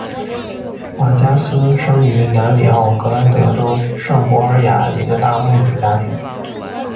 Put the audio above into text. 瓦加斯生于南里奥格兰德州圣博尔雅一个大牧主家庭。